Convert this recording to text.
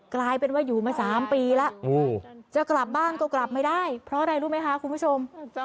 กลายเป็นว่าอยู่มา๓ปีแล้วจะกลับบ้านก็กลับไม่ได้เพราะอะไรรู้ไหมคะคุณผู้ชม